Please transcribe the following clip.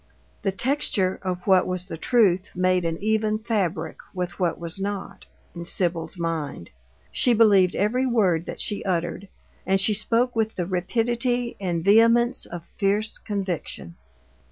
The texture of what was the truth made an even fabric with what was not, in Sibyl's mind; she believed every word that she uttered, and she spoke with the rapidity and vehemence of fierce conviction.